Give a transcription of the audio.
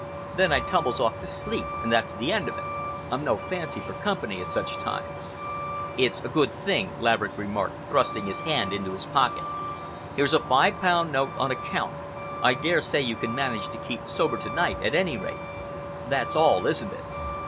Then I tumbles off to sleep and that's the end of it. I've no fancy for company at such times." "It's a good thing," Laverick remarked, thrusting his hand into his pocket. "Here's a five pound note on account. I daresay you can manage to keep sober to night, at any rate. That's all, isn't it?"